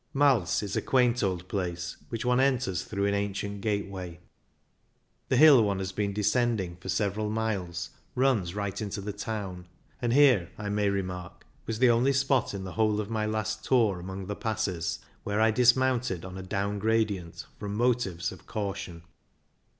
Mais is a quaint old place, which one enters through an ancient gateway. The hill one has been descending for several THE STELVIO 21 miles runs right into the town ; and here, I may remark, was the only spot in the whole of my last tour among the passes where I dismounted on a down gradient from motives of caution.